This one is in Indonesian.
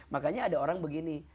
makanya ada orang begini